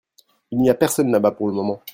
Il n'y a personne là-bas pour le moment.